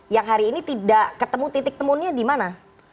yang hari ini tidak ketemu titik temunya di mana